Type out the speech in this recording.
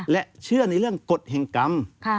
และเชื่อในกฎแห่งกรรม